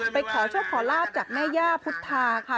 ขอโชคขอลาบจากแม่ย่าพุทธาค่ะ